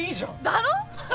だろ？